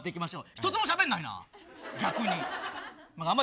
一言もしゃべんないな、逆に。